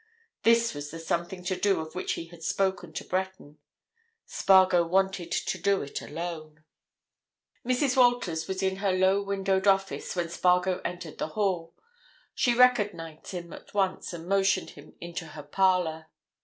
This was the something to do of which he had spoken to Breton: Spargo wanted to do it alone. Mrs. Walters was in her low windowed office when Spargo entered the hall; she recognized him at once and motioned him into her parlour.